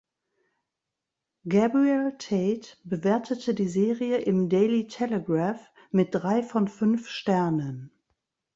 Gabriel Tate bewertete die Serie im "Daily Telegraph" mit drei von fünf Sternen.